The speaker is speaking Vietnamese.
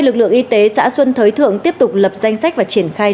lực lượng y tế xã xuân thới thượng tiếp tục lập danh sách và triển khai